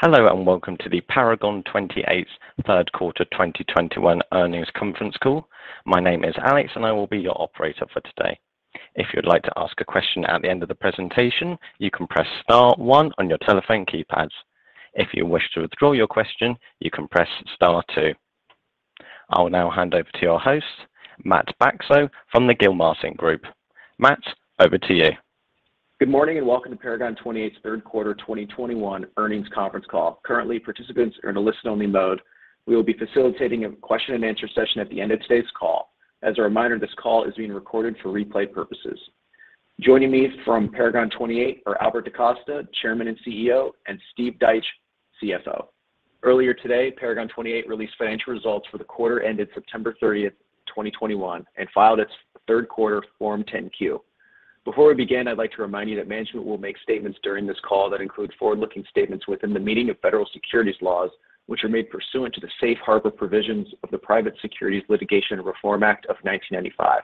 Hello and welcome to the Paragon 28 third quarter 2021 earnings conference call. My name is Alex and I will be your operator for today. If you'd like to ask a question at the end of the presentation, you can press star one on your telephone keypads. If you wish to withdraw your question, you can press star two. I will now hand over to your host, Matt Bacso from the Gilmartin Group. Matt, over to you. Good morning and welcome to Paragon 28's third quarter 2021 earnings conference call. Currently, participants are in a listen-only mode. We will be facilitating a question-and-answer session at the end of today's call. As a reminder, this call is being recorded for replay purposes. Joining me from Paragon 28 are Albert DaCosta, Chairman and CEO, and Steve Deitsch, CFO. Earlier today, Paragon 28 released financial results for the quarter ended September 30th, 2021, and filed its third quarter Form 10-Q. Before we begin, I'd like to remind you that management will make statements during this call that include forward-looking statements within the meaning of federal securities laws, which are made pursuant to the safe harbor provisions of the Private Securities Litigation Reform Act of 1995.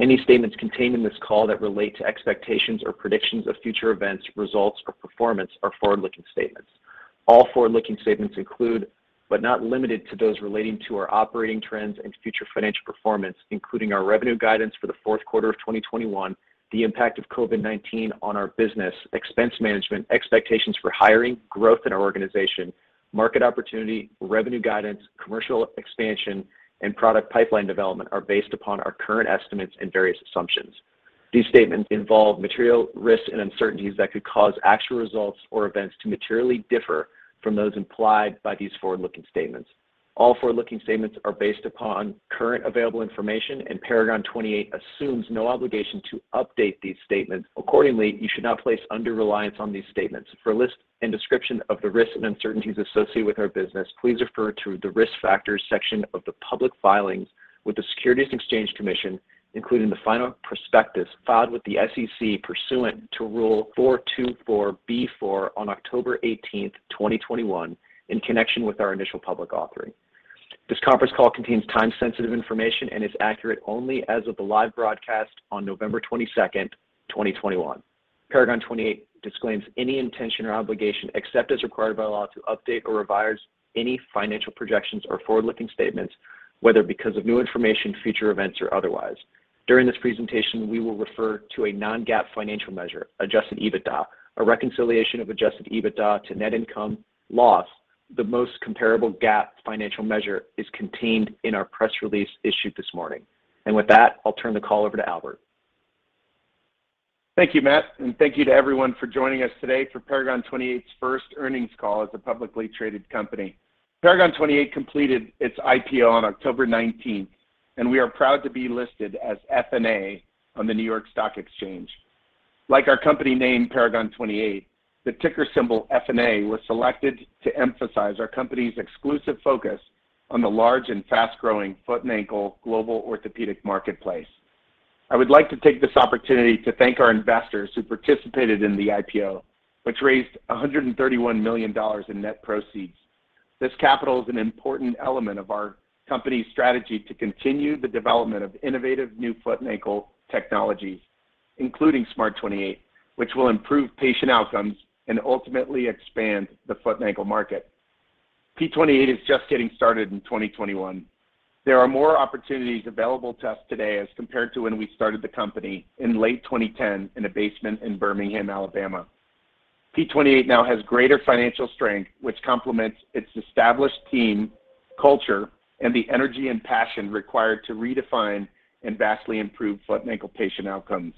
Any statements contained in this call that relate to expectations or predictions of future events, results, or performance are forward-looking statements. All forward-looking statements include, but are not limited to those relating to our operating trends and future financial performance, including our revenue guidance for the fourth quarter of 2021, the impact of COVID-19 on our business, expense management, expectations for hiring, growth in our organization, market opportunity, revenue guidance, commercial expansion, and product pipeline development are based upon our current estimates and various assumptions. These statements involve material risks and uncertainties that could cause actual results or events to materially differ from those implied by these forward-looking statements. All forward-looking statements are based upon currently available information, and Paragon 28 assumes no obligation to update these statements. Accordingly, you should not place undue reliance on these statements. For a list and description of the risks and uncertainties associated with our business, please refer to the Risk Factors section of the public filings with the Securities and Exchange Commission, including the final prospectus filed with the SEC pursuant to Rule 424(b)(4) on October 18th, 2021, in connection with our initial public offering. This conference call contains time-sensitive information and is accurate only as of the live broadcast on November 22nd, 2021. Paragon 28 disclaims any intention or obligation, except as required by law, to update or revise any financial projections or forward-looking statements, whether because of new information, future events, or otherwise. During this presentation, we will refer to a non-GAAP financial measure, Adjusted EBITDA. A reconciliation of Adjusted EBITDA to net income loss, the most comparable GAAP financial measure, is contained in our press release issued this morning. With that, I'll turn the call over to Albert. Thank you, Matt, and thank you to everyone for joining us today for Paragon 28's first earnings call as a publicly traded company. Paragon 28 completed its IPO on October 19th, and we are proud to be listed as FNA on the New York Stock Exchange. Like our company name, Paragon 28, the ticker symbol FNA was selected to emphasize our company's exclusive focus on the large and fast-growing foot and ankle global orthopedic marketplace. I would like to take this opportunity to thank our investors who participated in the IPO, which raised $131 million in net proceeds. This capital is an important element of our company's strategy to continue the development of innovative new foot and ankle technologies, including SMART28, which will improve patient outcomes and ultimately expand the foot and ankle market. P28 is just getting started in 2021. There are more opportunities available to us today as compared to when we started the company in late 2010 in a basement in Birmingham, Alabama. P28 now has greater financial strength, which complements its established team culture and the energy and passion required to redefine and vastly improve foot and ankle patient outcomes.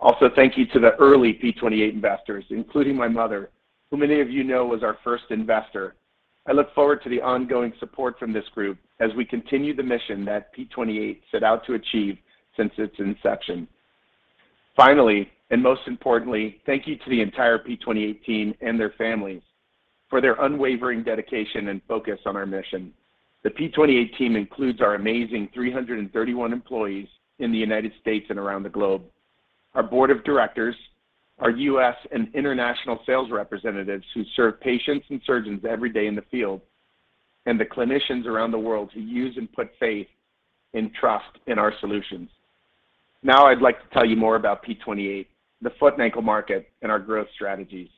Also, thank you to the early P28 investors, including my mother, who many of you know was our first investor. I look forward to the ongoing support from this group as we continue the mission that P28 set out to achieve since its inception. Finally, and most importantly, thank you to the entire P28 team and their families for their unwavering dedication and focus on our mission. The P28 team includes our amazing 331 employees in the United States and around the globe, our board of directors, our U.S. and international sales representatives who serve patients and surgeons every day in the field, and the clinicians around the world who use and put faith and trust in our solutions. Now I'd like to tell you more about P28, the foot and ankle market, and our growth strategies.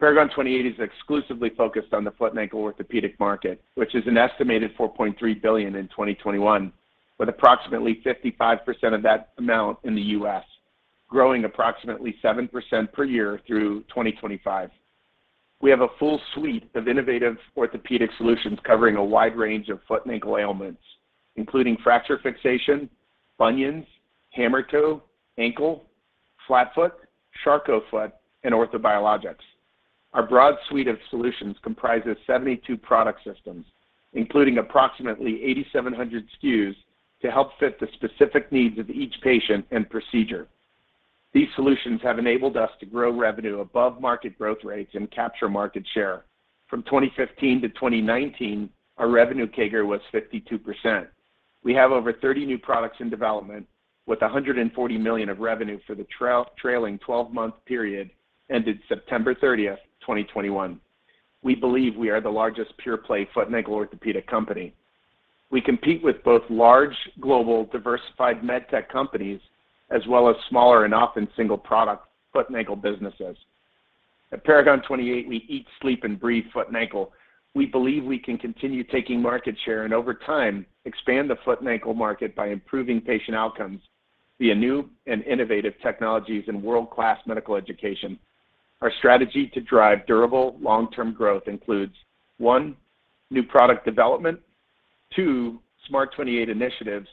Paragon 28 is exclusively focused on the foot and ankle orthopedic market, which is an estimated $4.3 billion in 2021, with approximately 55% of that amount in the U.S., growing approximately 7% per year through 2025. We have a full suite of innovative orthopedic solutions covering a wide range of foot and ankle ailments, including fracture fixation, bunions, hammer toe, ankle, flat foot, Charcot foot, and orthobiologics. Our broad suite of solutions comprises 72 product systems, including approximately 8,700 SKUs to help fit the specific needs of each patient and procedure. These solutions have enabled us to grow revenue above market growth rates and capture market share. From 2015 to 2019, our revenue CAGR was 52%. We have over 30 new products in development with $140 million of revenue for the trailing 12-month period ended September 30th, 2021. We believe we are the largest pure-play foot and ankle orthopedic company. We compete with both large global diversified med tech companies as well as smaller and often single product foot and ankle businesses. At Paragon 28, we eat, sleep, and breathe foot and ankle. We believe we can continue taking market share and over time expand the foot and ankle market by improving patient outcomes via new and innovative technologies and world-class medical education. Our strategy to drive durable long-term growth includes one, new product development, two, SMART28 initiatives,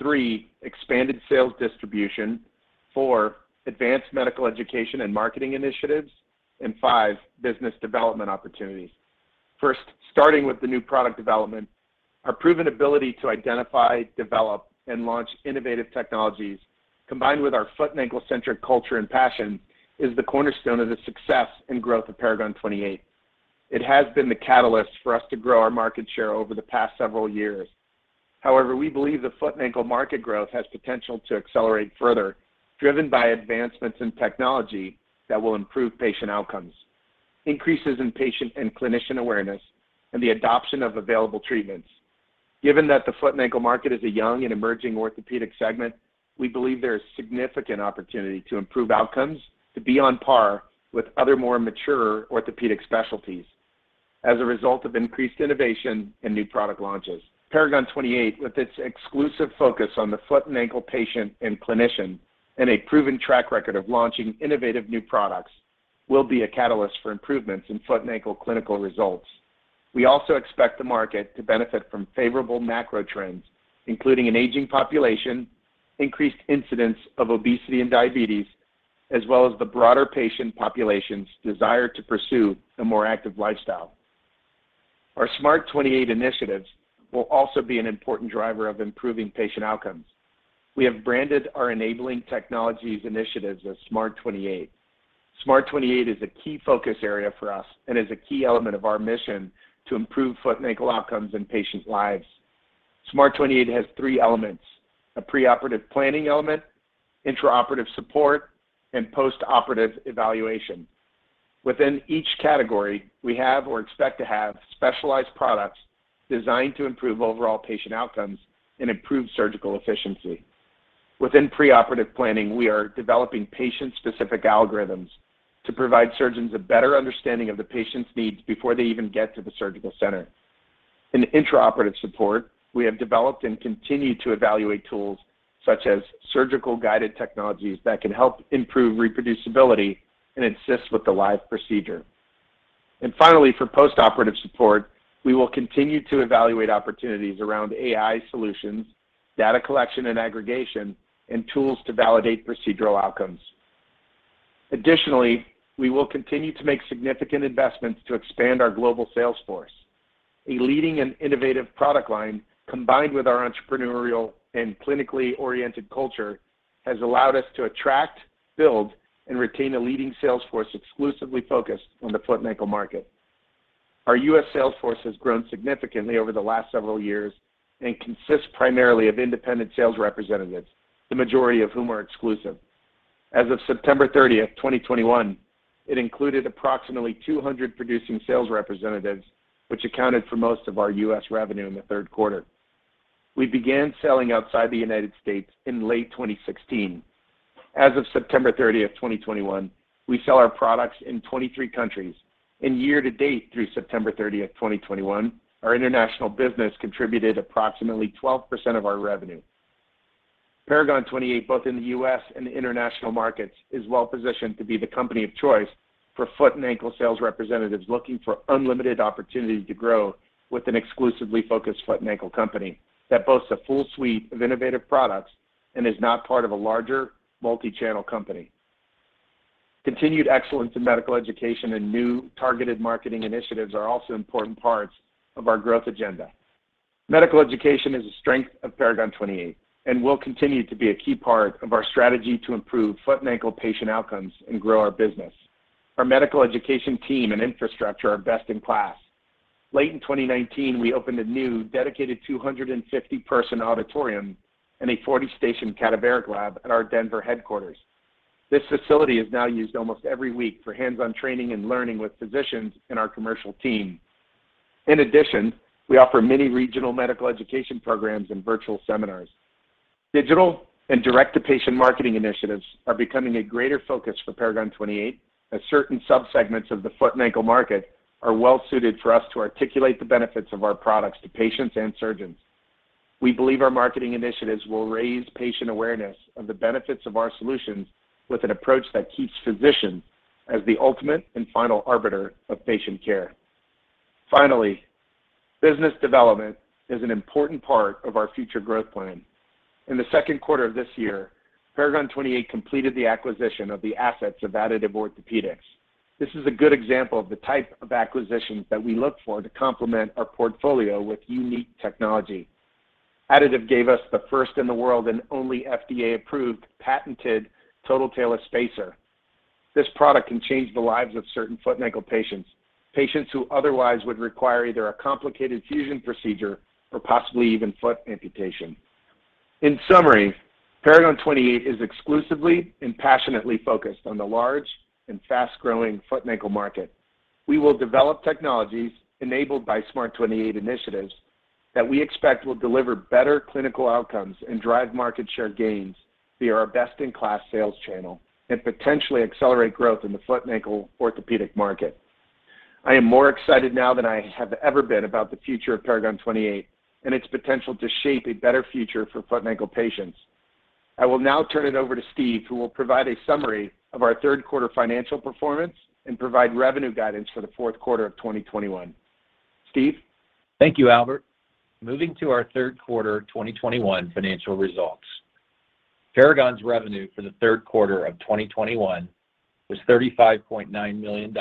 three, expanded sales distribution, four, advanced medical education and marketing initiatives, and five, business development opportunities. First, starting with the new product development, our proven ability to identify, develop, and launch innovative technologies combined with our foot and ankle-centric culture and passion is the cornerstone of the success and growth of Paragon 28. It has been the catalyst for us to grow our market share over the past several years. However, we believe the foot and ankle market growth has potential to accelerate further, driven by advancements in technology that will improve patient outcomes, increases in patient and clinician awareness, and the adoption of available treatments. Given that the foot and ankle market is a young and emerging orthopedic segment, we believe there is significant opportunity to improve outcomes to be on par with other more mature orthopedic specialties as a result of increased innovation and new product launches. Paragon 28, with its exclusive focus on the foot and ankle patient and clinician and a proven track record of launching innovative new products, will be a catalyst for improvements in foot and ankle clinical results. We also expect the market to benefit from favorable macro trends, including an aging population, increased incidence of obesity and diabetes, as well as the broader patient population's desire to pursue a more active lifestyle. Our SMART28 initiatives will also be an important driver of improving patient outcomes. We have branded our enabling technologies initiatives as SMART28. SMART28 is a key focus area for us and is a key element of our mission to improve foot and ankle outcomes in patients' lives. SMART28 has three elements, a preoperative planning element, intraoperative support, and postoperative evaluation. Within each category, we have or expect to have specialized products designed to improve overall patient outcomes and improve surgical efficiency. Within preoperative planning, we are developing patient-specific algorithms to provide surgeons a better understanding of the patient's needs before they even get to the surgical center. In intraoperative support, we have developed and continue to evaluate tools such as surgical guided technologies that can help improve reproducibility and assist with the live procedure. Finally, for postoperative support, we will continue to evaluate opportunities around AI solutions, data collection and aggregation, and tools to validate procedural outcomes. Additionally, we will continue to make significant investments to expand our global sales force. A leading and innovative product line combined with our entrepreneurial and clinically oriented culture has allowed us to attract, build, and retain a leading sales force exclusively focused on the foot and ankle market. Our U.S. sales force has grown significantly over the last several years and consists primarily of independent sales representatives, the majority of whom are exclusive. As of September 30th, 2021, it included approximately 200 producing sales representatives, which accounted for most of our U.S. revenue in the third quarter. We began selling outside the United States in late 2016. As of September 30th, 2021, we sell our products in 23 countries. In year-to-date through September 30th, 2021, our international business contributed approximately 12% of our revenue. Paragon 28, both in the U.S. and international markets, is well positioned to be the company of choice for foot and ankle sales representatives looking for unlimited opportunities to grow with an exclusively focused foot and ankle company that boasts a full suite of innovative products and is not part of a larger multi-channel company. Continued excellence in medical education and new targeted marketing initiatives are also important parts of our growth agenda. Medical education is a strength of Paragon 28 and will continue to be a key part of our strategy to improve foot and ankle patient outcomes and grow our business. Our medical education team and infrastructure are best in class. Late in 2019, we opened a new dedicated 250-person auditorium and a 40-station cadaveric lab at our Denver headquarters. This facility is now used almost every week for hands-on training and learning with physicians and our commercial team. In addition, we offer many regional medical education programs and virtual seminars. Digital and direct-to-patient marketing initiatives are becoming a greater focus for Paragon 28 as certain subsegments of the foot and ankle market are well suited for us to articulate the benefits of our products to patients and surgeons. We believe our marketing initiatives will raise patient awareness of the benefits of our solutions with an approach that keeps physicians as the ultimate and final arbiter of patient care. Finally, business development is an important part of our future growth plan. In the second quarter of this year, Paragon 28 completed the acquisition of the assets of Additive Orthopaedics. This is a good example of the type of acquisitions that we look for to complement our portfolio with unique technology. Additive Orthopaedics gave us the first in the world and only FDA-approved patented Patient Specific Talus Spacer. This product can change the lives of certain foot and ankle patients who otherwise would require either a complicated fusion procedure or possibly even foot amputation. In summary, Paragon 28 is exclusively and passionately focused on the large and fast-growing foot and ankle market. We will develop technologies enabled by SMART28 initiatives that we expect will deliver better clinical outcomes and drive market share gains via our best-in-class sales channel and potentially accelerate growth in the foot and ankle orthopedic market. I am more excited now than I have ever been about the future of Paragon 28 and its potential to shape a better future for foot and ankle patients. I will now turn it over to Steve, who will provide a summary of our third quarter financial performance and provide revenue guidance for the fourth quarter of 2021. Steve? Thank you, Albert. Moving to our third quarter 2021 financial results. Paragon's revenue for the third quarter of 2021 was $35.9 million,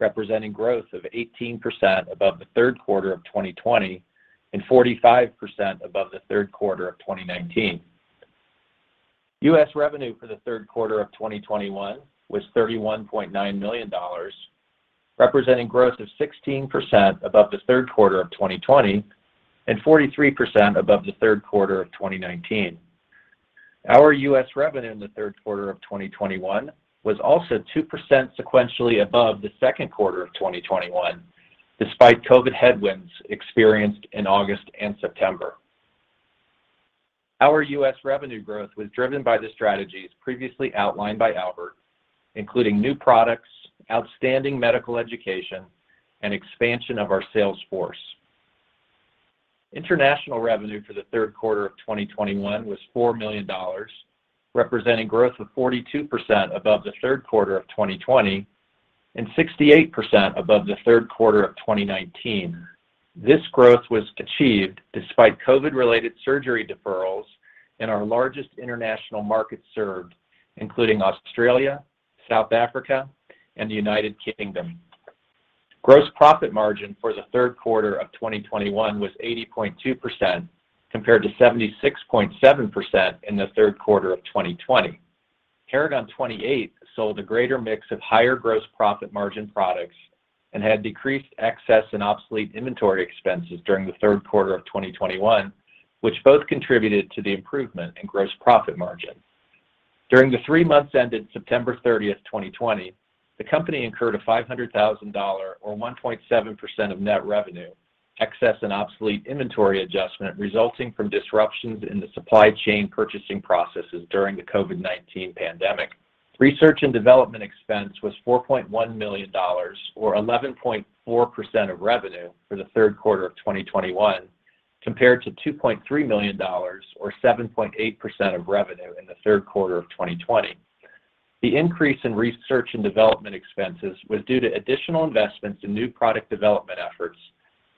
representing growth of 18% above the third quarter of 2020 and 45% above the third quarter of 2019. U.S. revenue for the third quarter of 2021 was $31.9 million, representing growth of 16% above the third quarter of 2020 and 43% above the third quarter of 2019. Our U.S. revenue in the third quarter of 2021 was also 2% sequentially above the second quarter of 2021, despite COVID headwinds experienced in August and September. Our U.S. revenue growth was driven by the strategies previously outlined by Albert, including new products, outstanding medical education, and expansion of our sales force. International revenue for the third quarter of 2021 was $4 million, representing growth of 42% above the third quarter of 2020 and 68% above the third quarter of 2019. This growth was achieved despite COVID-19-related surgery deferrals in our largest international markets served, including Australia, South Africa, and the United Kingdom. Gross profit margin for the third quarter of 2021 was 80.2% compared to 76.7% in the third quarter of 2020. Paragon 28 sold a greater mix of higher gross profit margin products and had decreased excess and obsolete inventory expenses during the third quarter of 2021, which both contributed to the improvement in gross profit margin. During the three months ended September 30th, 2020, the company incurred a $500,000 or 1.7% of net revenue excess and obsolete inventory adjustment resulting from disruptions in the supply chain purchasing processes during the COVID-19 pandemic. Research and development expense was $4.1 million or 11.4% of revenue for the third quarter of 2021 compared to $2.3 million or 7.8% of revenue in the third quarter of 2020. The increase in research and development expenses was due to additional investments in new product development efforts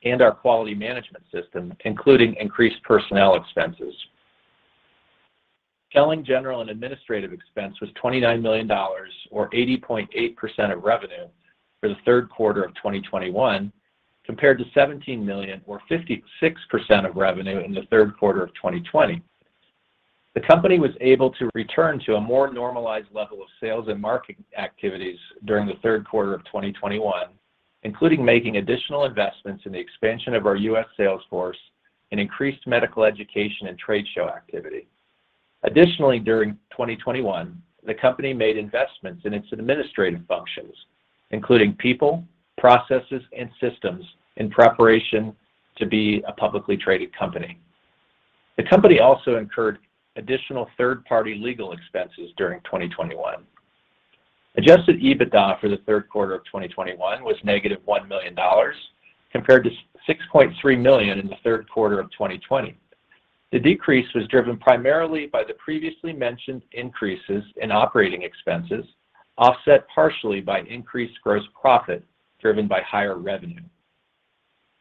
and our quality management system, including increased personnel expenses. Selling general and administrative expense was $29 million or 80.8% of revenue for the third quarter of 2021 compared to $17 million or 56% of revenue in the third quarter of 2020. The company was able to return to a more normalized level of sales and marketing activities during the third quarter of 2021, including making additional investments in the expansion of our U.S. sales force and increased medical education and trade show activity. Additionally, during 2021, the company made investments in its administrative functions, including people, processes, and systems in preparation to be a publicly traded company. The company also incurred additional third-party legal expenses during 2021. Adjusted EBITDA for the third quarter of 2021 was -$1 million compared to -$6.3 million in the third quarter of 2020. The decrease was driven primarily by the previously mentioned increases in operating expenses, offset partially by increased gross profit driven by higher revenue.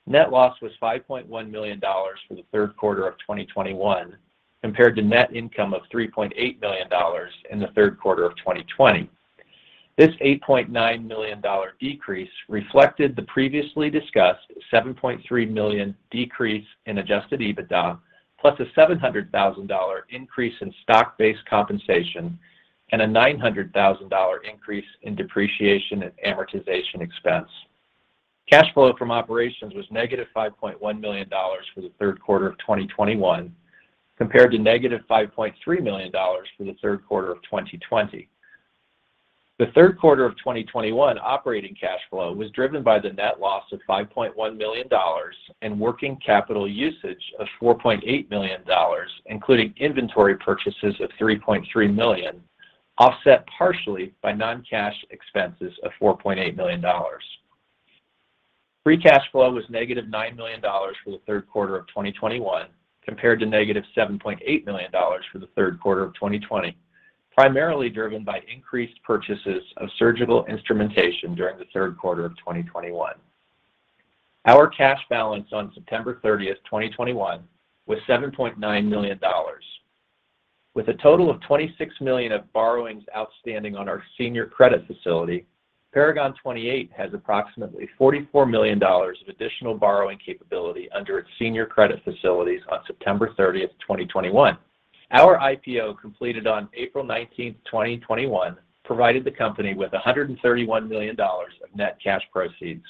Net loss was $5.1 million for the third quarter of 2021 compared to net income of $3.8 million in the third quarter of 2020. This $8.9 million decrease reflected the previously discussed $7.3 million decrease in Adjusted EBITDA, plus a $700,000 increase in stock-based compensation and a $900,000 increase in depreciation and amortization expense. Cash flow from operations was -$5.1 million for the third quarter of 2021 compared to -$5.3 million for the third quarter of 2020. The third quarter of 2021 operating cash flow was driven by the net loss of $5.1 million and working capital usage of $4.8 million, including inventory purchases of $3.3 million, offset partially by non-cash expenses of $4.8 million. Free cash flow was -$9 million for the third quarter of 2021 compared to -$7.8 million for the third quarter of 2020, primarily driven by increased purchases of surgical instrumentation during the third quarter of 2021. Our cash balance on September 30th, 2021 was $7.9 million. With a total of $26 million of borrowings outstanding on our senior credit facility, Paragon 28 has approximately $44 million of additional borrowing capability under its senior credit facilities on September 30th, 2021. Our IPO completed on April 19, 2021 provided the company with $131 million of net cash proceeds.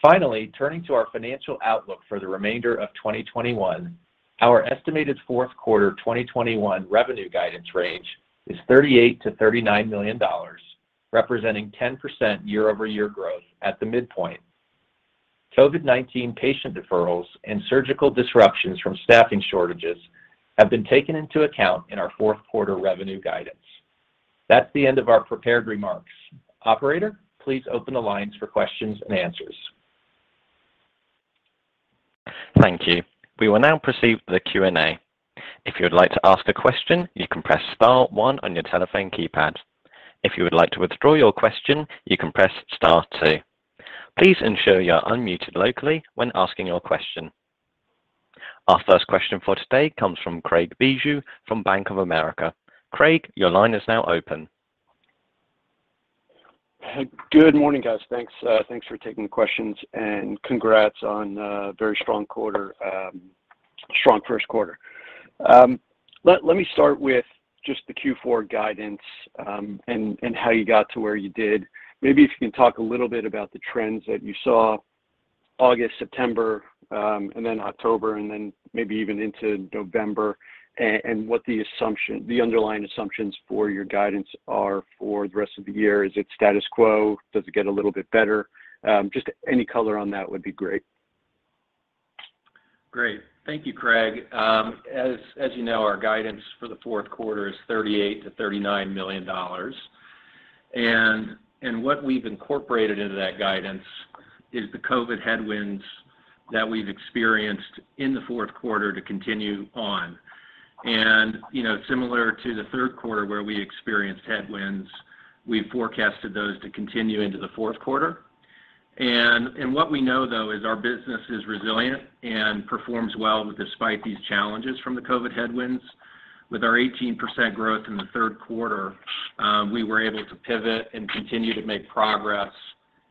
Finally, turning to our financial outlook for the remainder of 2021, our estimated fourth quarter 2021 revenue guidance range is $38 million-$39 million, representing 10% year-over-year growth at the midpoint. COVID-19 patient deferrals and surgical disruptions from staffing shortages have been taken into account in our fourth quarter revenue guidance. That's the end of our prepared remarks. Operator, please open the lines for questions and answers. Thank you. We will now proceed with the Q&A. If you would like to ask a question, you can press star one on your telephone keypad. If you would like to withdraw your question, you can press star two. Please ensure you are unmuted locally when asking your question. Our first question for today comes from Craig Bijou from Bank of America. Craig, your line is now open. Good morning, guys. Thanks for taking the questions and congrats on a very strong quarter, strong first quarter. Let me start with just the Q4 guidance, and how you got to where you did. Maybe if you can talk a little bit about the trends that you saw August, September, and then October and then maybe even into November and what the assumption, the underlying assumptions for your guidance are for the rest of the year. Is it status quo? Does it get a little bit better? Just any color on that would be great. Great. Thank you, Craig. As you know, our guidance for the fourth quarter is $38 million-$39 million. What we've incorporated into that guidance is the COVID headwinds that we've experienced in the fourth quarter to continue on. Similar to the third quarter where we experienced headwinds, we forecasted those to continue into the fourth quarter. What we know, though, is our business is resilient and performs well despite these challenges from the COVID headwinds. With our 18% growth in the third quarter, we were able to pivot and continue to make progress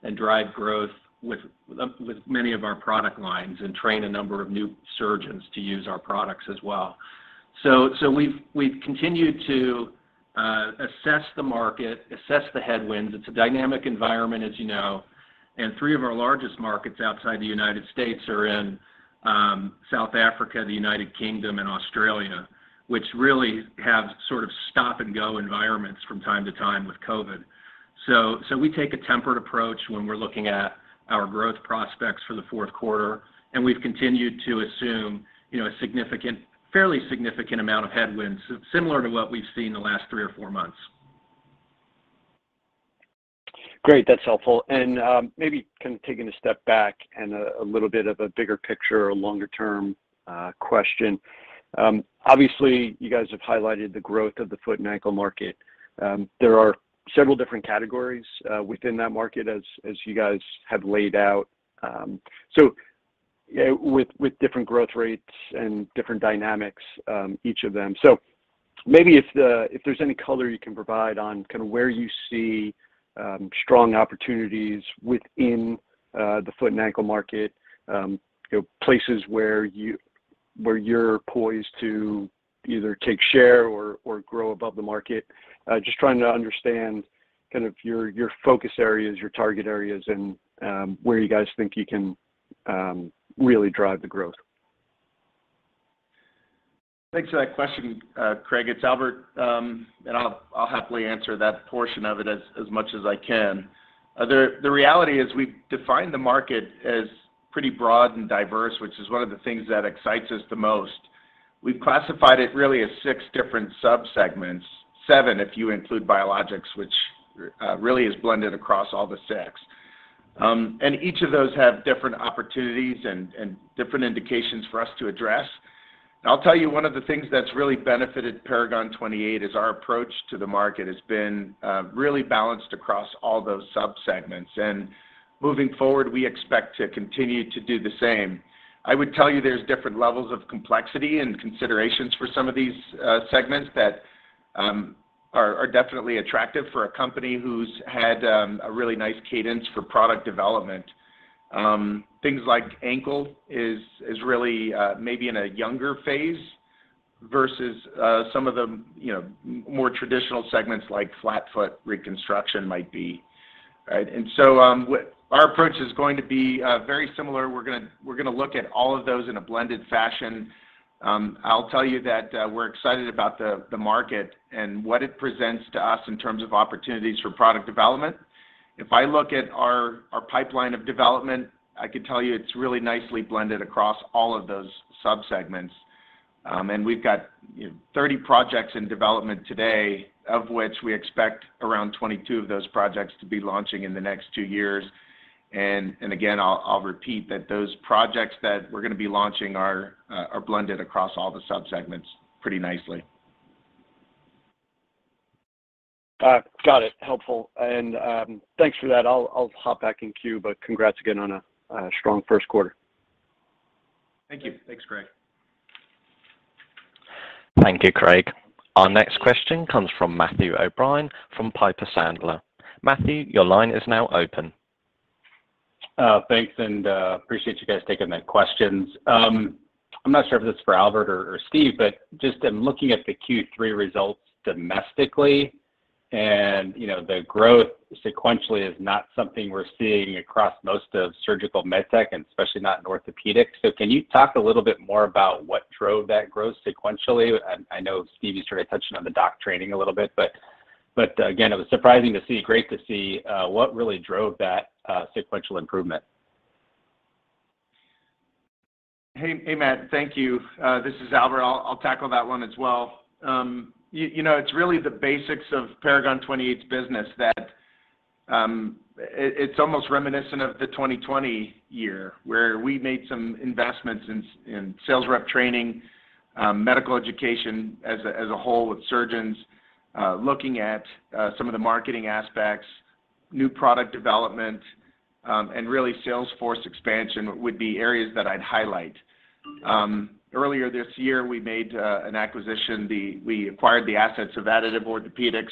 and drive growth with many of our product lines and train a number of new surgeons to use our products as well. We've continued to assess the market, assess the headwinds. It's a dynamic environment, as you know, and three of our largest markets outside the United States are in South Africa, the United Kingdom, and Australia, which really have sort of stop-and-go environments from time to time with COVID. We take a tempered approach when we're looking at our growth prospects for the fourth quarter, and we've continued to assume, you know, a significant, fairly significant amount of headwinds, similar to what we've seen the last three or four months. Great. That's helpful. Maybe kind of taking a step back and a little bit of a bigger picture or longer-term question. Obviously, you guys have highlighted the growth of the foot and ankle market. There are several different categories within that market as you guys have laid out, with different growth rates and different dynamics, each of them. Maybe if there's any color you can provide on kind of where you see strong opportunities within the foot and ankle market, you know, places where you're poised to either take share or grow above the market. Just trying to understand kind of your focus areas, your target areas, and where you guys think you can really drive the growth. Thanks for that question, Craig. It's Albert. I'll happily answer that portion of it as much as I can. The reality is we've defined the market as pretty broad and diverse, which is one of the things that excites us the most. We've classified it really as six different subsegments. Seven, if you include biologics, which really is blended across all the six. Each of those have different opportunities and different indications for us to address. I'll tell you one of the things that's really benefited Paragon 28 is our approach to the market has been really balanced across all those subsegments. Moving forward, we expect to continue to do the same. I would tell you there's different levels of complexity and considerations for some of these segments that are definitely attractive for a company who's had a really nice cadence for product development. Things like ankle is really maybe in a younger phase versus some of the you know more traditional segments like flat foot reconstruction might be. Right? Our approach is going to be very similar. We're gonna look at all of those in a blended fashion. I'll tell you that we're excited about the market and what it presents to us in terms of opportunities for product development. If I look at our pipeline of development, I can tell you it's really nicely blended across all of those subsegments. We've got 30 projects in development today, of which we expect around 22 of those projects to be launching in the next two years. Again, I'll repeat that those projects that we're gonna be launching are blended across all the subsegments pretty nicely. Got it. Helpful. Thanks for that. I'll hop back in queue, but congrats again on a strong first quarter. Thank you. Thanks, Craig. Thank you, Craig. Our next question comes from Matthew O'Brien from Piper Sandler. Matthew, your line is now open. Thanks and appreciate you guys taking the questions. I'm not sure if this is for Albert or Steve, but just in looking at the Q3 results domestically and, you know, the growth sequentially is not something we're seeing across most of surgical med tech, and especially not in orthopedics. Can you talk a little bit more about what drove that growth sequentially? I know Steve, you started touching on the doc training a little bit, but again, it was surprising to see, great to see, what really drove that sequential improvement. Hey, Matt. Thank you. This is Albert. I'll tackle that one as well. You know, it's really the basics of Paragon 28's business that it's almost reminiscent of the 2020 year where we made some investments in sales rep training, medical education as a whole with surgeons, looking at some of the marketing aspects, new product development, and really sales force expansion would be areas that I'd highlight. Earlier this year, we made an acquisition. We acquired the assets of Additive Orthopaedics.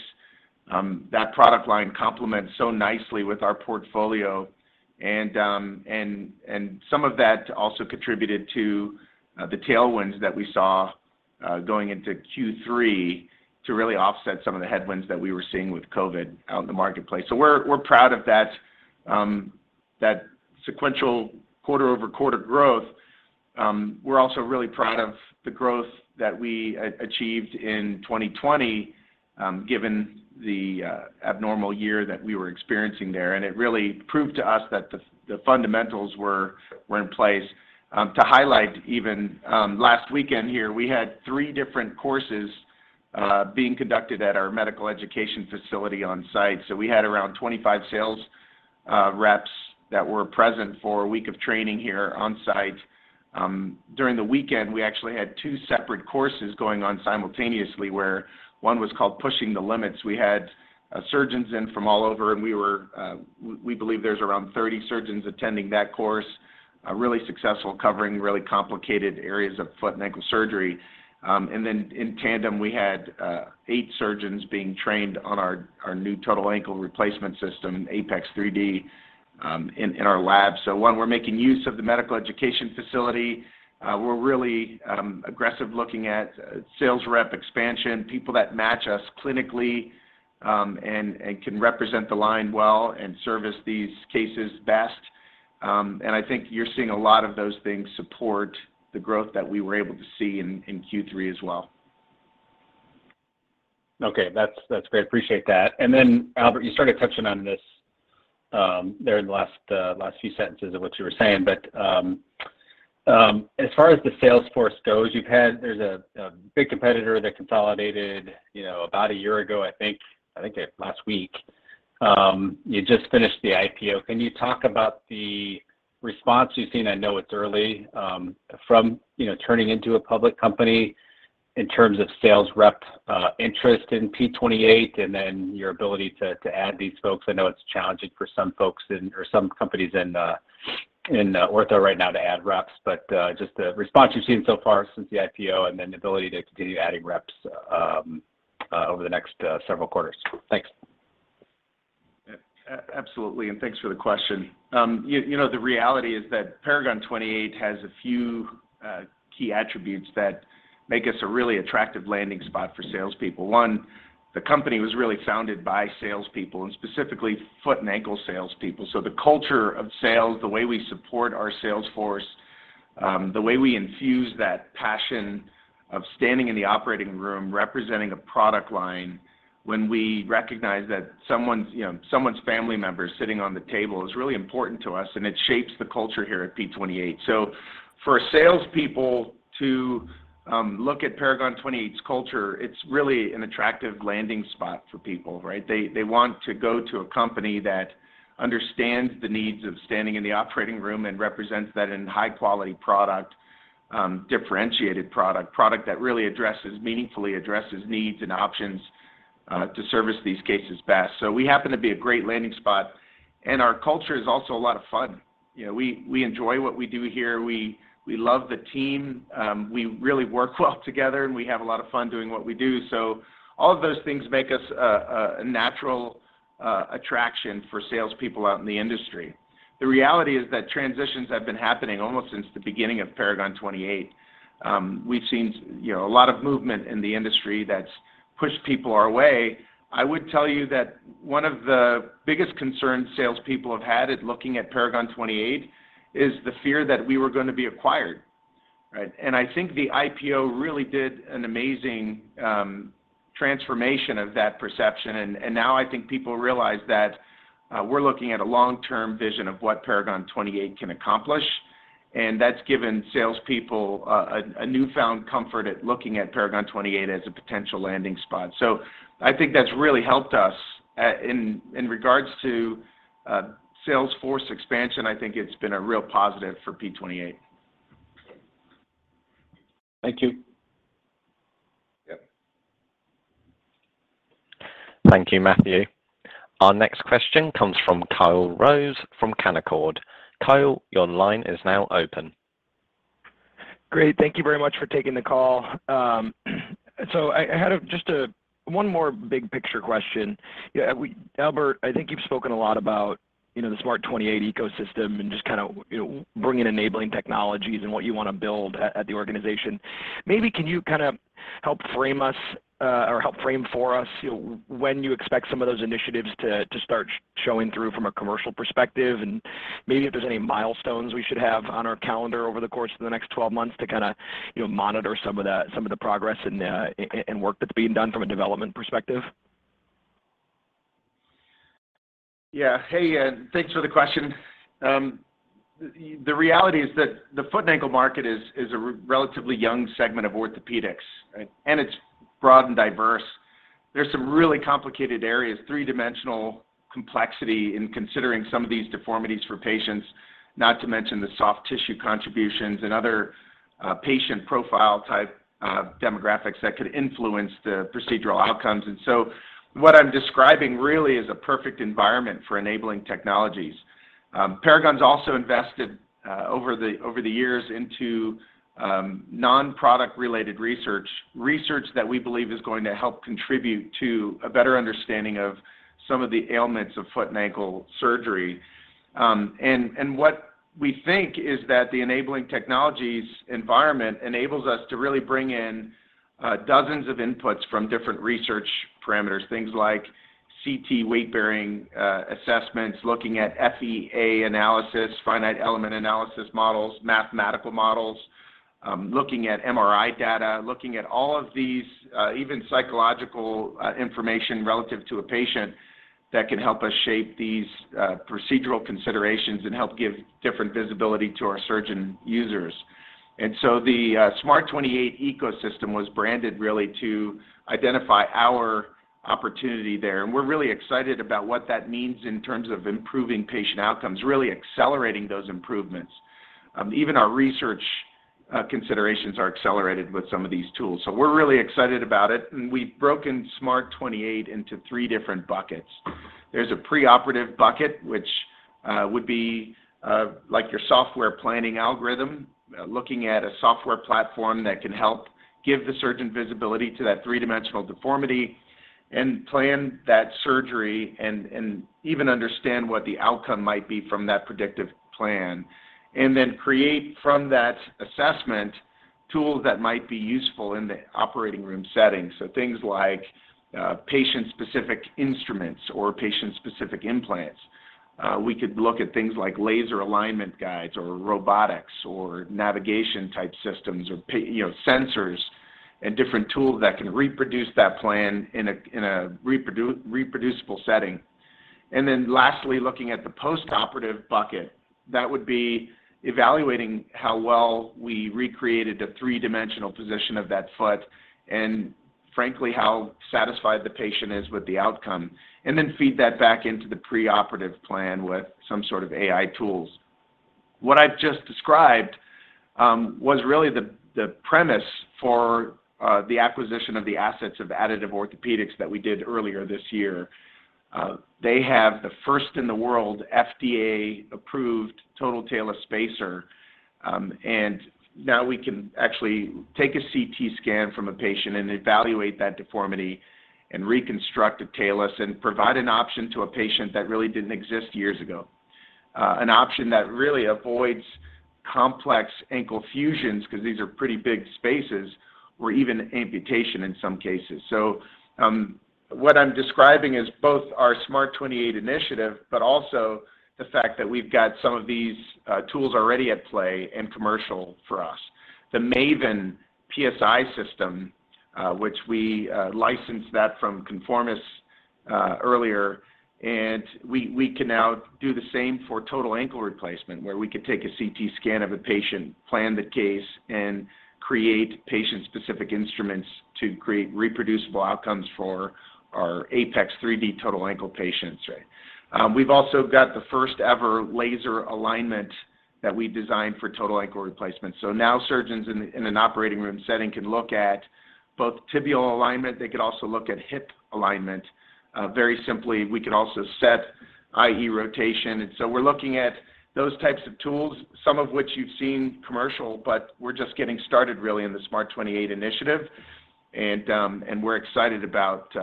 That product line complements so nicely with our portfolio and some of that also contributed to the tailwinds that we saw going into Q3 to really offset some of the headwinds that we were seeing with COVID out in the marketplace. We're proud of that sequential quarter-over-quarter growth. We're also really proud of the growth that we achieved in 2020, given the abnormal year that we were experiencing there, and it really proved to us that the fundamentals were in place. To highlight even last weekend here, we had three different courses being conducted at our medical education facility on site. We had around 25 sales reps that were present for a week of training here on site. During the weekend, we actually had two separate courses going on simultaneously, where one was called Pushing the Limits. We had surgeons in from all over and we believe there's around 30 surgeons attending that course, really successful covering really complicated areas of foot and ankle surgery. In tandem, we had eight surgeons being trained on our new total ankle replacement system, APEX 3D, in our lab. One, we're making use of the medical education facility. We're really aggressive looking at sales rep expansion, people that match us clinically, and can represent the line well and service these cases best. I think you're seeing a lot of those things support the growth that we were able to see in Q3 as well. Okay. That's great. Appreciate that. Albert, you started touching on this there in the last few sentences of what you were saying, but as far as the sales force goes, there's a big competitor that consolidated, you know, about a year ago, I think. I think last week. You just finished the IPO. Can you talk about the response you've seen? I know it's early from, you know, turning into a public company in terms of sales rep interest in P28 and then your ability to add these folks. I know it's challenging for some folks or some companies in ortho right now to add reps, but just the response you've seen so far since the IPO and then the ability to continue adding reps over the next several quarters. Thanks. Absolutely, thanks for the question. You know, the reality is that Paragon 28 has a few key attributes that make us a really attractive landing spot for salespeople. One, the company was really founded by salespeople, and specifically foot and ankle salespeople. The culture of sales, the way we support our sales force, the way we infuse that passion of standing in the operating room, representing a product line when we recognize that someone's, you know, family member sitting on the table is really important to us, and it shapes the culture here at P28. For salespeople to look at Paragon 28's culture, it's really an attractive landing spot for people, right? They want to go to a company that understands the needs of standing in the operating room and represents that in high quality product, differentiated product that really addresses, meaningfully addresses needs and options, to service these cases best. So we happen to be a great landing spot, and our culture is also a lot of fun. You know, we enjoy what we do here. We love the team. We really work well together, and we have a lot of fun doing what we do. So all of those things make us a natural attraction for salespeople out in the industry. The reality is that transitions have been happening almost since the beginning of Paragon 28. We've seen, you know, a lot of movement in the industry that's pushed people our way. I would tell you that one of the biggest concerns salespeople have had at looking at Paragon 28 is the fear that we were gonna be acquired, right? I think the IPO really did an amazing transformation of that perception. Now I think people realize that we're looking at a long-term vision of what Paragon 28 can accomplish, and that's given salespeople a newfound comfort at looking at Paragon 28 as a potential landing spot. I think that's really helped us in regards to sales force expansion. I think it's been a real positive for P28. Thank you. Yep. Thank you, Matthew. Our next question comes from Kyle Rose from Canaccord. Kyle, your line is now open. Great. Thank you very much for taking the call. I had just one more big picture question. Yeah, Albert, I think you've spoken a lot about, you know, the SMART28 ecosystem and just kinda, you know, bringing enabling technologies and what you wanna build at the organization. Maybe can you kind of help frame us or help frame for us, you know, when you expect some of those initiatives to start showing through from a commercial perspective and maybe if there's any milestones we should have on our calendar over the course of the next 12 months to kinda, you know, monitor some of the progress and work that's being done from a development perspective? Yeah. Hey, thanks for the question. The reality is that the foot and ankle market is a relatively young segment of orthopedics, right? It's broad and diverse. There's some really complicated areas, three-dimensional complexity in considering some of these deformities for patients, not to mention the soft tissue contributions and other patient profile type demographics that could influence the procedural outcomes. What I'm describing really is a perfect environment for enabling technologies. Paragon's also invested over the years into non-product related research that we believe is going to help contribute to a better understanding of some of the ailments of foot and ankle surgery. What we think is that the enabling technologies environment enables us to really bring in dozens of inputs from different research parameters, things like CT weight-bearing assessments, looking at FEA analysis, finite element analysis models, mathematical models, looking at MRI data, looking at all of these, even psychological information relative to a patient that can help us shape these procedural considerations and help give different visibility to our surgeon users. The SMART28 ecosystem was branded really to identify our opportunity there. We're really excited about what that means in terms of improving patient outcomes, really accelerating those improvements. Even our research considerations are accelerated with some of these tools. We're really excited about it, and we've broken SMART28 into three different buckets. There's a preoperative bucket, which would be like your software planning algorithm, looking at a software platform that can help give the surgeon visibility to that three-dimensional deformity and plan that surgery and even understand what the outcome might be from that predictive plan. Create from that assessment tools that might be useful in the operating room setting, so things like patient-specific instruments or patient-specific implants. We could look at things like laser alignment guides or robotics or navigation type systems or you know, sensors and different tools that can reproduce that plan in a reproducible setting. Lastly, looking at the postoperative bucket, that would be evaluating how well we recreated the three-dimensional position of that foot and frankly how satisfied the patient is with the outcome, and then feed that back into the preoperative plan with some sort of AI tools. What I've just described was really the premise for the acquisition of the assets of Additive Orthopaedics that we did earlier this year. They have the first in the world FDA-approved total talus spacer, and now we can actually take a CT scan from a patient and evaluate that deformity and reconstruct a talus and provide an option to a patient that really didn't exist years ago. An option that really avoids complex ankle fusions because these are pretty big spaces or even amputation in some cases. What I'm describing is both our SMART28 initiative, but also the fact that we've got some of these tools already at play and commercial for us. The Maven PSI system, which we licensed that from ConforMIS earlier, and we can now do the same for total ankle replacement, where we could take a CT scan of a patient, plan the case, and create patient-specific instruments to create reproducible outcomes for our Apex 3D total ankle patients, right. We've also got the first ever laser alignment that we designed for total ankle replacement. Now surgeons in an operating room setting can look at both tibial alignment. They could also look at hip alignment very simply. We can also set I.E. rotation. We're looking at those types of tools, some of which you've seen commercial, but we're just getting started really in the SMART28 initiative. We're excited about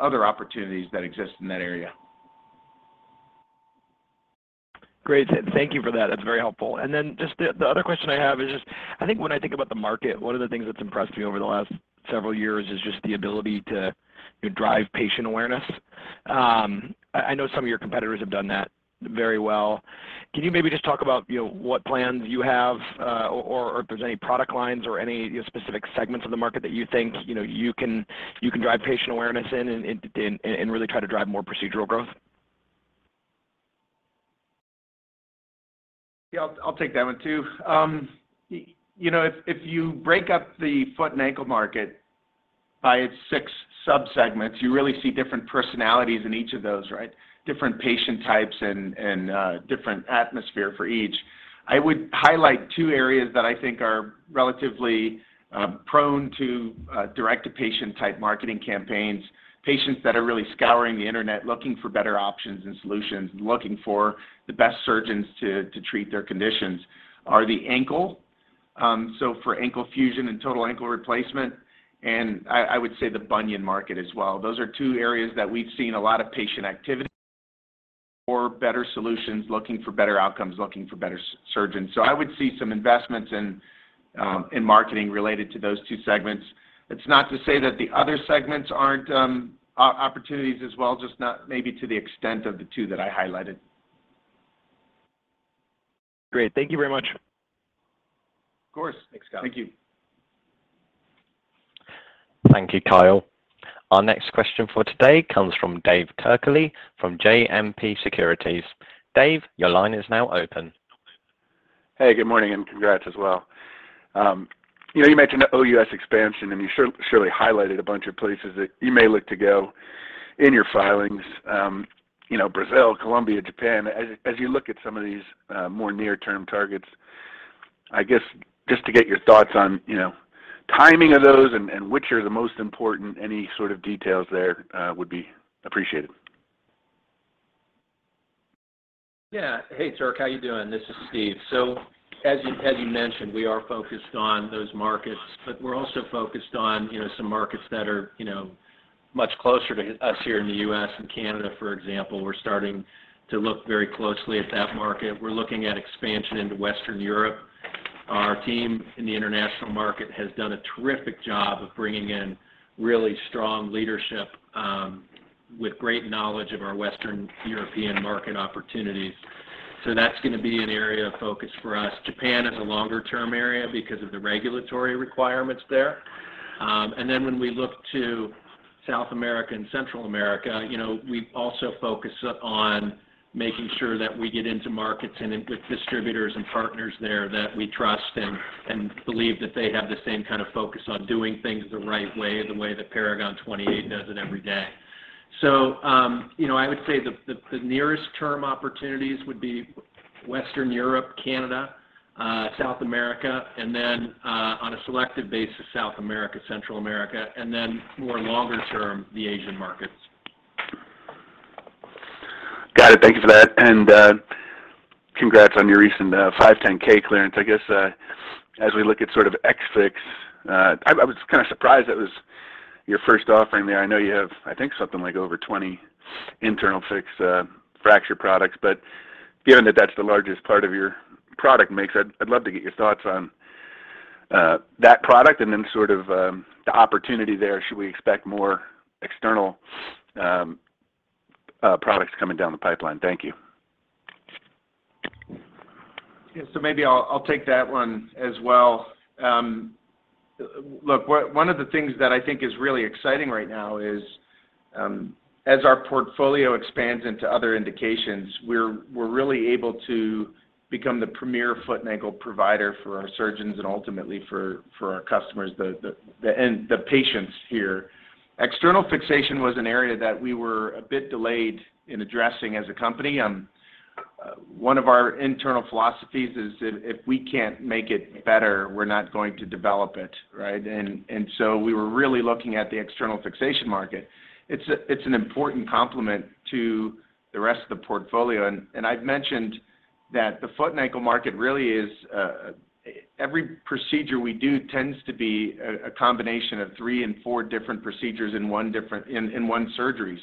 other opportunities that exist in that area. Great. Thank you for that. That's very helpful. Just the other question I have is just I think when I think about the market, one of the things that's impressed me over the last several years is just the ability to drive patient awareness. I know some of your competitors have done that very well. Can you maybe just talk about, you know, what plans you have, or if there's any product lines or any specific segments of the market that you think, you know, you can drive patient awareness in and really try to drive more procedural growth? Yeah. I'll take that one too. You know, if you break up the foot and ankle market by its six subsegments, you really see different personalities in each of those, right? Different patient types and different atmosphere for each. I would highlight two areas that I think are relatively prone to direct-to-patient type marketing campaigns. Patients that are really scouring the internet looking for better options and solutions and looking for the best surgeons to treat their conditions, so for ankle fusion and total ankle replacement, and I would say the bunion market as well. Those are two areas that we've seen a lot of patient activity for better solutions, looking for better outcomes, looking for better surgeons. I would see some investments in marketing related to those two segments. It's not to say that the other segments aren't opportunities as well, just not maybe to the extent of the two that I highlighted. Great. Thank you very much. Of course. Thanks, Kyle. Thank you. Thank you, Kyle. Our next question for today comes from David Turkaly from JMP Securities. Dave, your line is now open. Hey, good morning, and congrats as well. You know, you mentioned the OUS expansion, and you surely highlighted a bunch of places that you may look to go in your filings. You know, Brazil, Colombia, Japan. As you look at some of these more near-term targets, I guess just to get your thoughts on, you know, timing of those and which are the most important. Any sort of details there would be appreciated. Yeah. Hey, Turk, how you doing? This is Steve. As you mentioned, we are focused on those markets, but we're also focused on, you know, some markets that are, you know, much closer to us here in the U.S. and Canada, for example. We're starting to look very closely at that market. We're looking at expansion into Western Europe. Our team in the international market has done a terrific job of bringing in really strong leadership with great knowledge of our Western European market opportunities, so that's gonna be an area of focus for us. Japan is a longer-term area because of the regulatory requirements there. When we look to South America and Central America, you know, we also focus on making sure that we get into markets and with distributors and partners there that we trust and believe that they have the same kind of focus on doing things the right way, the way that Paragon 28 does it every day. You know, I would say the nearest term opportunities would be Western Europe, Canada, South America, and then on a selective basis, South America, Central America, and then more longer term, the Asian markets. Got it. Thank you for that. Congrats on your recent 510(k) clearance. I guess, as we look at sort of Ex-Fix, I was kind of surprised that was your first offering there. I know you have, I think something like over 20 internal fixation fracture products. Given that that's the largest part of your product mix, I'd love to get your thoughts on that product and then sort of the opportunity there. Should we expect more external products coming down the pipeline? Thank you. Yeah. Maybe I'll take that one as well. Look, one of the things that I think is really exciting right now is, as our portfolio expands into other indications, we're really able to become the premier foot and ankle provider for our surgeons and ultimately for our customers, the patients here. External fixation was an area that we were a bit delayed in addressing as a company. One of our internal philosophies is if we can't make it better, we're not going to develop it, right? We were really looking at the external fixation market. It's an important complement to the rest of the portfolio. I've mentioned that the foot and ankle market really is every procedure we do tends to be a combination of three and four different procedures in one surgery.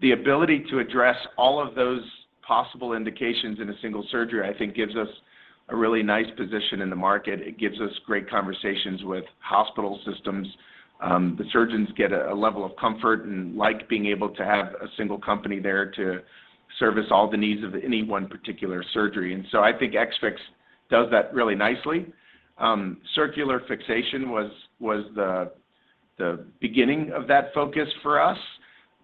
The ability to address all of those possible indications in a single surgery, I think gives us a really nice position in the market. It gives us great conversations with hospital systems. The surgeons get a level of comfort and like being able to have a single company there to service all the needs of any one particular surgery. I think Ex-Fix does that really nicely. Circular fixation was the beginning of that focus for us.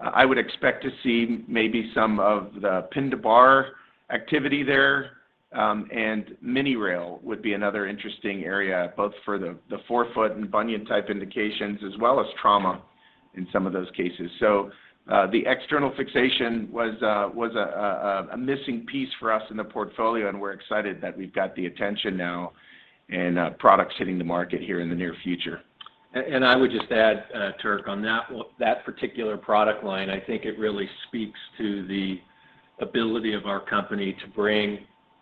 I would expect to see maybe some of the pin-to-bar activity there, and mini rail would be another interesting area both for the forefoot and bunion type indications as well as trauma in some of those cases. The external fixation was a missing piece for us in the portfolio, and we're excited that we've got the attention now and products hitting the market here in the near future. I would just add, Turk, on that particular product line, I think it really speaks to the ability of our company to bring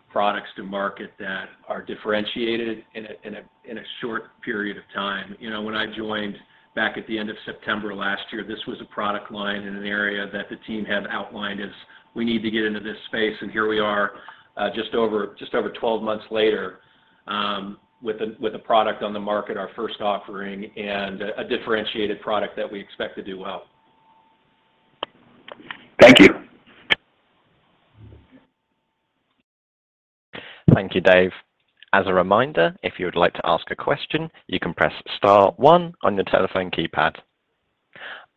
products to market that are differentiated in a short period of time. You know, when I joined back at the end of September last year, this was a product line in an area that the team had outlined as we need to get into this space, and here we are, just over 12 months later, with a product on the market, our first offering and a differentiated product that we expect to do well. Thank you. Thank you, Dave. As a reminder, if you would like to ask a question, you can press star one on your telephone keypad.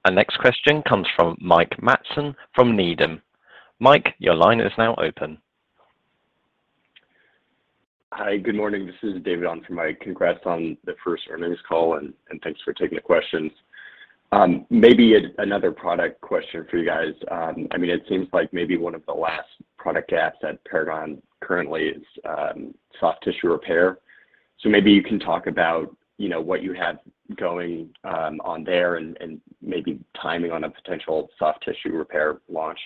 Our next question comes from Mike Matson from Needham. Mike, your line is now open. Hi. Good morning. This is David on for Mike. Congrats on the first earnings call and thanks for taking the questions. Maybe another product question for you guys. I mean, it seems like maybe one of the last product gaps at Paragon currently is soft tissue repair. Maybe you can talk about, you know, what you have going on there and maybe timing on a potential soft tissue repair launch.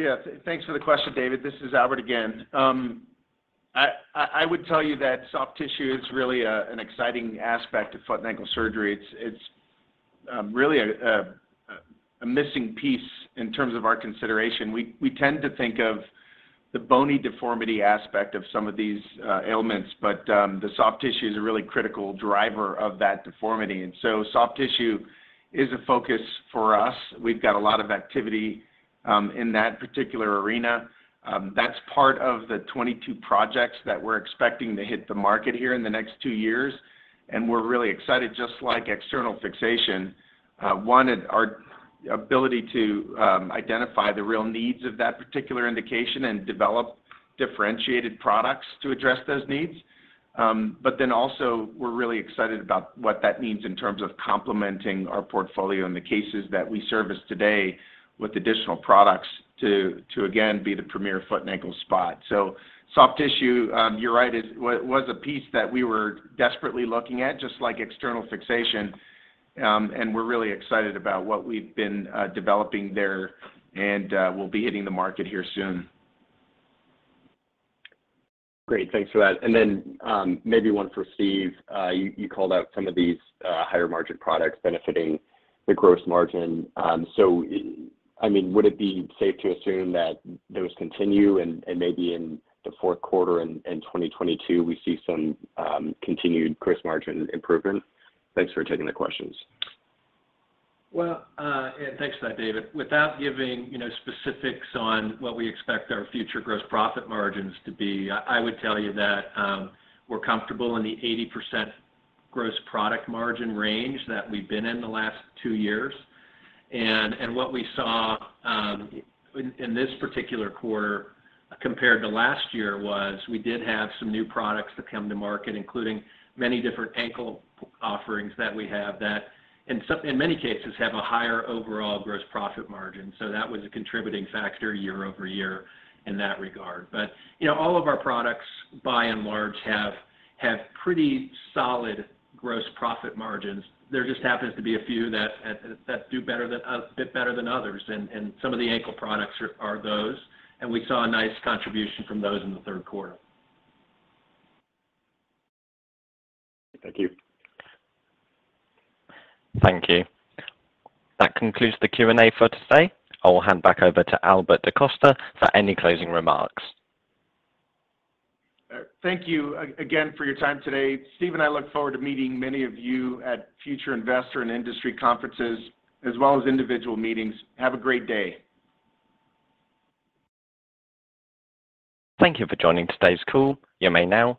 Yeah. Thanks for the question, David. This is Albert again. I would tell you that soft tissue is really an exciting aspect of foot and ankle surgery. It's really a missing piece in terms of our consideration. We tend to think of the bony deformity aspect of some of these ailments, but the soft tissue is a really critical driver of that deformity. Soft tissue is a focus for us. We've got a lot of activity in that particular arena. That's part of the 22 projects that we're expecting to hit the market here in the next two years, and we're really excited, just like external fixation. Our ability to identify the real needs of that particular indication and develop differentiated products to address those needs. Also, we're really excited about what that means in terms of complementing our portfolio and the cases that we service today with additional products to, again, be the premier foot and ankle spot. Soft tissue, you're right, is a piece that we were desperately looking at, just like external fixation. We're really excited about what we've been developing there and we'll be hitting the market here soon. Great. Thanks for that. Then, maybe one for Steve. You called out some of these higher margin products benefiting the gross margin. I mean, would it be safe to assume that those continue and maybe in the fourth quarter in 2022 we see some continued gross margin improvement? Thanks for taking the questions. Well, thanks for that, David. Without giving, you know, specifics on what we expect our future gross profit margins to be, I would tell you that we're comfortable in the 80% gross profit margin range that we've been in the last two years. What we saw in this particular quarter compared to last year was we did have some new products that come to market, including many different ankle offerings that we have that in many cases, have a higher overall gross profit margin. That was a contributing factor year-over-year in that regard. You know, all of our products, by and large, have pretty solid gross profit margins. There just happens to be a few that do a bit better than others. Some of the ankle products are those, and we saw a nice contribution from those in the third quarter. Thank you. Thank you. That concludes the Q&A for today. I will hand back over to Albert DaCosta for any closing remarks. Thank you again for your time today. Steve and I look forward to meeting many of you at future investor and industry conferences, as well as individual meetings. Have a great day. Thank you for joining today's call. You may now disconnect.